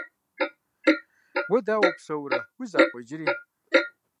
Уэ дауэ упсэурэ? Уи закъуэ иджыри?